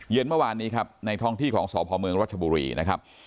เมื่อวานนี้ครับในท้องที่ของสพเมืองรัชบุรีนะครับ